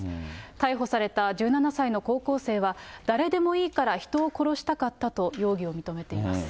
逮捕された１７歳の高校生は、誰でもいいから人を殺したかったと、容疑を認めています。